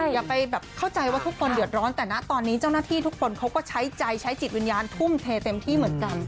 อย่าไปแบบเข้าใจว่าทุกคนเดือดร้อนแต่นะตอนนี้เจ้าหน้าที่ทุกคนเขาก็ใช้ใจใช้จิตวิญญาณทุ่มเทเต็มที่เหมือนกัน